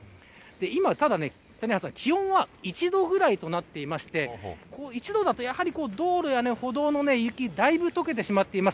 今、ただ谷原さん、気温は１度ぐらいとなっていて１度だとやはり道路や歩道の雪だいぶ溶けてしまっています。